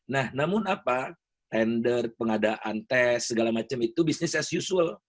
nah namun apa tender pengadaan tes segala macam itu bisnis as usual